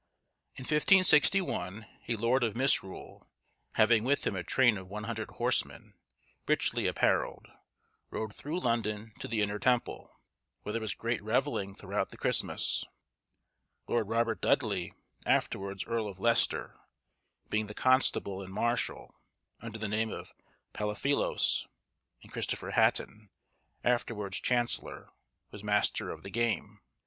In 1561, a lord of Misrule, having with him a train of 100 horsemen, richly apparelled, rode through London to the Inner Temple, where there was great revelling throughout the Christmas; Lord Robert Dudley, afterwards Earl of Leicester, being the constable and marshal, under the name of Palaphilos; and Christopher Hatton, afterwards chancellor, was master of the game.